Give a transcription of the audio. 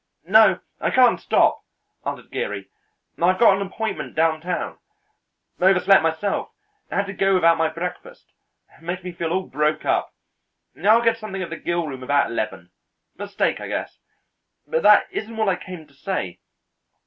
"No, I can't stop," answered Geary. "I've an appointment downtown; overslept myself, and had to go without my breakfast; makes me feel all broke up. I'll get something at the Grillroom about eleven; a steak, I guess. But that isn't what I came to say.